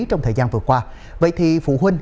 trong thời gian vừa qua vậy thì phụ huynh